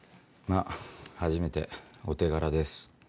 まぁ初めてお手柄です。